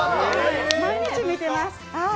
毎日見てます。